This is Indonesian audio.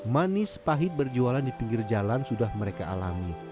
manis pahit berjualan di pinggir jalan sudah mereka alami